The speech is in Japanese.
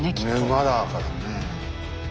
馬だからね。